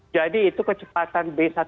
jadi itu kecepatan b seribu enam ratus tujuh belas